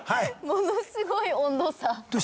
もの凄い温度差！